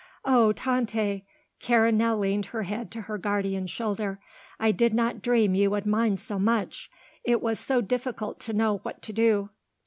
"Oh, Tante," Karen now leaned her head to her guardian's shoulder, "I did not dream you would mind so much. It was so difficult to know what to do."